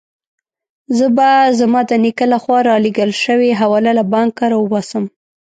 زه به زما د نیکه له خوا رالېږل شوې حواله له بانکه راوباسم.